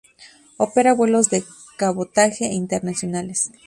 Opera vuelos de cabotaje e internacionales.